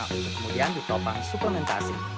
kemudian ditopang sukomentasi